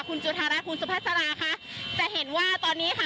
คุณจุธารัฐคุณสุภาษาราค่ะจะเห็นว่าตอนนี้ค่ะ